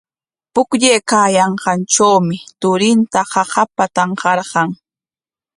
Pukllaykaayanqantrawmi turinta qaqapa tanqarqan.